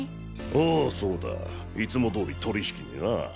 ああそうだいつも通り取引にな。